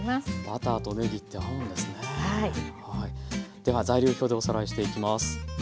では材料表でおさらいしていきます。